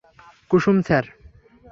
Kusum, sir.